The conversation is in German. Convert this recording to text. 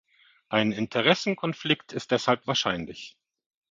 Ein Interessenkonflikt ist deshalb wahrscheinlich.